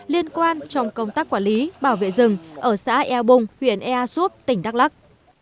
liên quan trong công tác quản lý bảo vệ rừng ở xã ea bùng huyện ea suốt tỉnh đắk lắc